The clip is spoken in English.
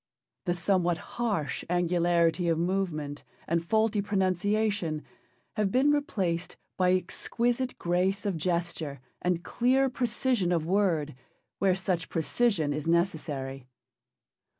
The somewhat harsh angularity of movement and faulty pronunciation have been replaced by exquisite grace of gesture and clear precision of word, where such precision is necessary.